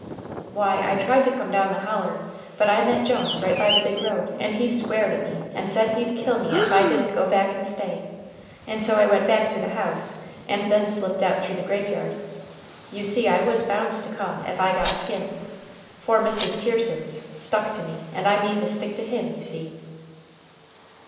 "Why, I tried to come down the holler, but I met Jones right by the big road, and he sweared at me and said he'd kill me ef I didn't go back and stay. And so I went back to the house and then slipped out through the graveyard. You see I was bound to come ef I got skinned. For Mr. Pearson's, stuck to me and I mean to stick to him, you see."